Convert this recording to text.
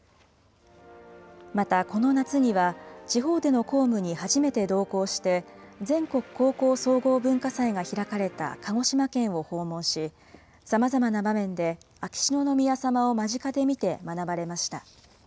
またこの夏には、地方での公務に初めて同行して、全国高校総合文化祭が開かれた鹿児島県を訪問し、さまざまな場面で、秋篠宮さまを間近で見て学ばれました。